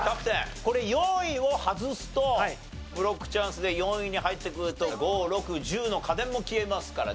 これ４位を外すとブロックチャンスで４位に入ってくると５６１０の家電も消えますからね